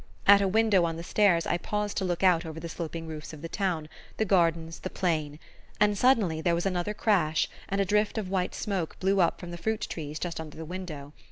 At a window on the stairs I paused to look out over the sloping roofs of the town, the gardens, the plain; and suddenly there was another crash and a drift of white smoke blew up from the fruit trees just under the window.